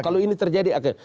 kalau ini terjadi akan